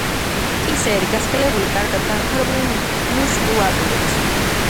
კისერი გასქელებული, კარგად განვითარებული მუსკულატურით.